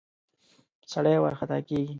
سړی ورخطا کېږي.